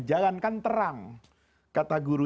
jalankan terang kata guru